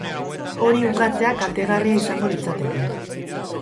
Hori ukatzea kaltegarria izango litzateke.